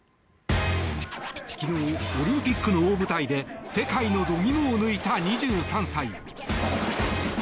昨日、オリンピックの大舞台で世界の度肝を抜いた２３歳。